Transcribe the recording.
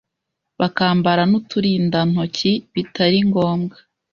bakambara n’uturindantoki bitari ngombwa